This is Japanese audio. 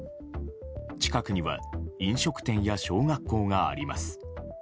近くには飲食店や小学校があります。